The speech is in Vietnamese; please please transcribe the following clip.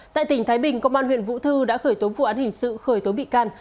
tại tỉnh thái bình công an huyện vũ thư đã khởi tố vụ án hình sự khởi tố bị can